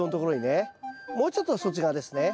もうちょっとそっち側ですね。